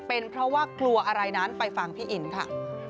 เป็นเพราะว่ากลัวอะไรนั้นไปฟังพี่อินค่ะ